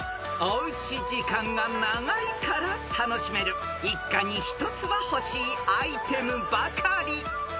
［おうち時間が長いから楽しめる一家に１つは欲しいアイテムばかり］